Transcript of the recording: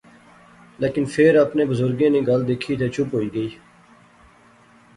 لیکن فیر اپنے بزرگیں نی گل دکھی تہ چپ ہوئی گئی